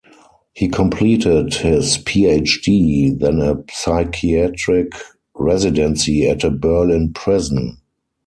He completed his PhD, then a psychiatric residency at a Berlin prison.